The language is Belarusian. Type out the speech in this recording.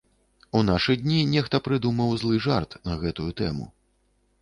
У нашы дні нехта прыдумаў злы жарт на гэтую тэму.